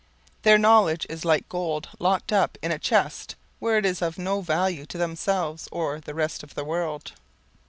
Their knowledge is like gold locked up in a chest where it is of no value to themselves or the rest of the world.